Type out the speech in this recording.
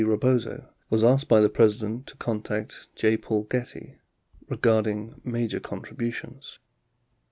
Rebozo was asked by the President to contact J. Paul Getty "regarding major contributions."